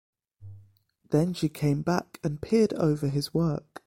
Then she came back and peered over his work.